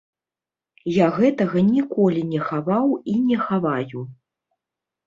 Я гэта ніколі не хаваў і не хаваю.